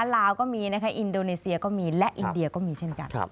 ลาวก็มีนะคะอินโดนีเซียก็มีและอินเดียก็มีเช่นกัน